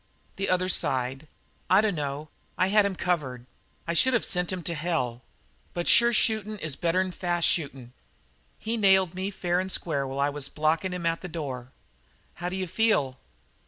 The other sighed: "I dunno. I had him covered. I should have sent him to hell. But sure shootin' is better'n fast shootin'. He nailed me fair and square while I was blockin' him at the door." "How d'you feel?"